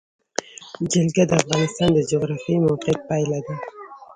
جلګه د افغانستان د جغرافیایي موقیعت پایله ده.